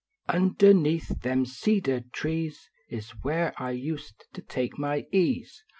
Underneath them cedar trees S where I used to take my ease.